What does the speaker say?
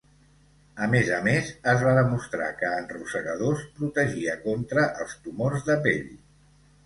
A més a més, es va demostrar que en rosegadors protegia contra els tumors de pell.